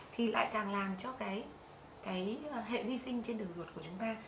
thì lại càng làm cho cái hệ vi sinh trên đường ruột của chúng ta